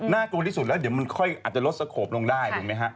น่ากลัวที่สุดแล้วเดี๋ยวมันอาจจะลดสโคปลงได้